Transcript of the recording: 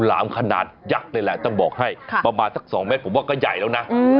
ลามขนาดยักษ์เลยแหละต้องบอกให้ประมาณสัก๒เมตรผมว่าก็ใหญ่แล้วนะ